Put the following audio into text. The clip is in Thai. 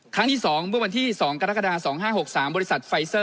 ครั้งที่สองบุคคลที่สองกรกฎาสองห้าหกสามบริษัทไฟเซอร์